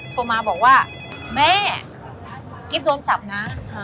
โทรมาบอกว่าแม่กิ๊บโดนจับนะ